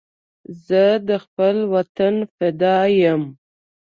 زه د خپل وطن فدا یم